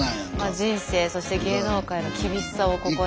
人生そして芸能界の厳しさをここで。